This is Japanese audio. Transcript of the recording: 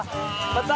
また。